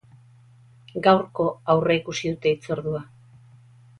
Gaurko aurreikusi dute hitzordua.